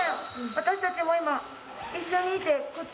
私たちも今一緒にいて。